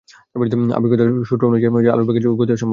আপেক্ষিকতার সূত্র অনুযায়ী আলোর চেয়ে বেশি গতি অসম্ভব।